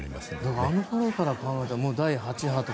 あのころから考えたらもう第８波か。